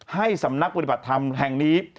ให้สำนักปฏิบัติธรรมแห่งนี้